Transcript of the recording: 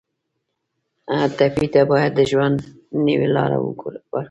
ټپي ته باید د ژوند نوې لاره ورکړو.